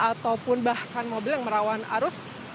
ataupun bahkan mobil yang merawan arus